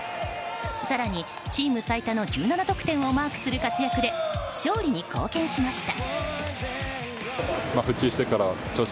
更にチーム最多の１７得点をマークする活躍で勝利に貢献しました。